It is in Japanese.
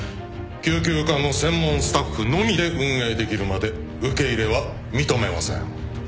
救急科の専門スタッフのみで運営できるまで受け入れは認めません。